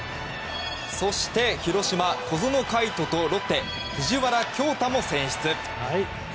そして広島・小園海斗とロッテ・藤原恭大も選出。